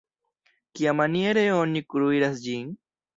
Kiamaniere oni kuiras ĝin?